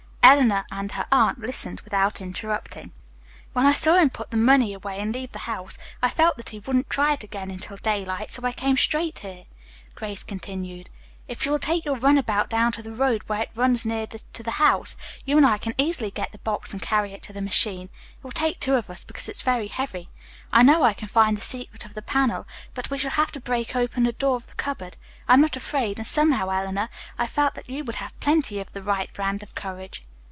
Eleanor and her aunt listened without interrupting. "When I saw him put the money away and leave the house, I felt that he wouldn't try it again until daylight, so I came straight here," Grace continued. "If you will take your run about down to the road where it runs near to the house, you and I can easily get the box and carry it to the machine. It will take two of us, because it's very heavy. I know I can find the secret of the panel, but we shall have to break open the door of the cupboard. I am not afraid, and, somehow, Eleanor, I felt that you would have plenty of the right brand of courage."